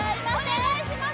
お願いします